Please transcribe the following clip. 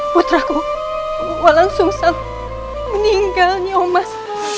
putraku walang sungsang meninggal nyomas